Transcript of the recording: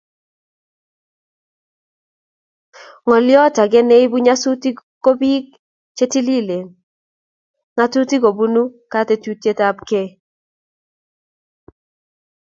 Ngolyotake neibu nyasutik kobik che telelchini ngatutik kobun katuiyeyabkei